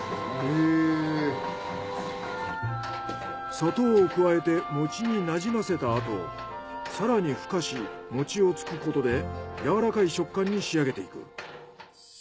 砂糖を加えて餅になじませたあと更にふかし餅をつくことでやわらかい食感に仕上げていく。